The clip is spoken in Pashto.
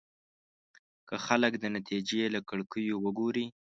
که خلک د نتيجې له کړکيو وګوري.